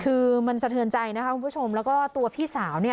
คือมันสะเทือนใจนะคะคุณผู้ชมแล้วก็ตัวพี่สาวเนี่ย